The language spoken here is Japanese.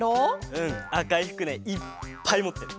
うんあかいふくねいっぱいもってる。